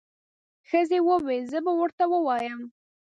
ښځې وويل زه به ورته ووایم.